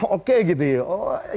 oke gitu ya